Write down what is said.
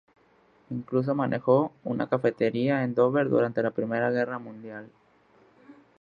Incluso manejó una cafetería en Dover durante la Primera Guerra Mundial.